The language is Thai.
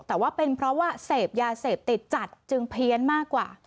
แต่ว่าเป็นเพราะว่าเสพยาเสพติดจัดจึงเพี้ยนมากกว่า